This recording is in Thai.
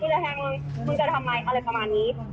ก็เออมึงจะแทงมึงมึงจะทำร้ายอะไรประมาณนี้